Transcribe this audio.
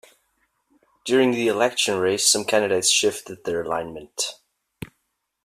During the election race some candidates shifted their alignment.